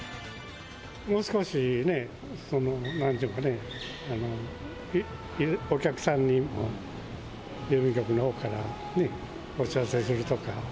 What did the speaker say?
もう少し、なんちゅうかね、お客さんに郵便局のほうからね、お知らせするとか。